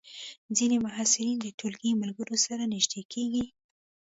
ځینې محصلین د ټولګي ملګرو سره نږدې کېږي.